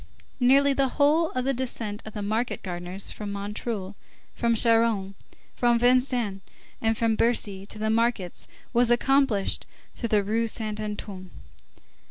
Nearly the whole of the descent of the market gardeners from Montreuil, from Charonne, from Vincennes, and from Bercy to the markets was accomplished through the Rue Saint Antoine.